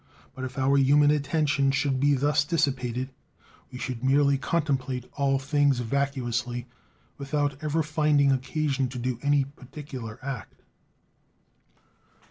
But if our human attention should be thus dissipated, we should merely contemplate all things vacuously, without ever finding occasion to do any particular act."